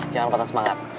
jangan patah semangat